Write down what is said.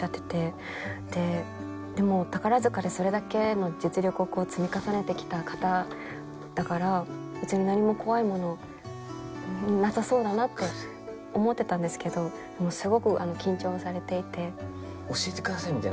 宝塚でそれだけの実力を積み重ねてきた方だから別に何も怖いものなさそうだなって思ってたんですけどすごく緊張されていて。